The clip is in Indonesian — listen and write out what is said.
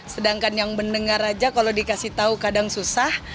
sedangkan yang mendengar aja kalau dikasih tahu kadang susah